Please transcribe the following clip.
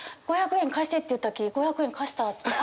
５００円貸してって言ったき５００円貸したって。